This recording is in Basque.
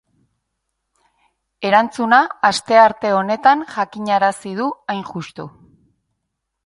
Erantzuna astearte honetan jakinarazi du, hain justu.